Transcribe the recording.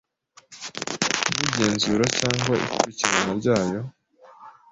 n igenzura cyangwa ikurikirana ryayo